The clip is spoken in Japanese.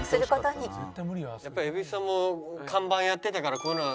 やっぱり蛭子さんも看板やってたからこういうのは。